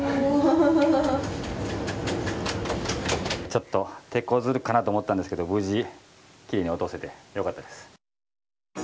ちょっと手こずるかなと思ったんですけど無事、菌を落とせてよかったです。